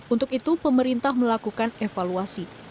untuk itu pemerintah melakukan evaluasi